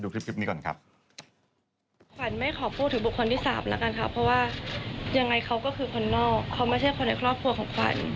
คลิปนี้ก่อนครับขวัญไม่ขอพูดถึงบุคคลที่สามแล้วกันค่ะเพราะว่ายังไงเขาก็คือคนนอกเขาไม่ใช่คนในครอบครัวของขวัญ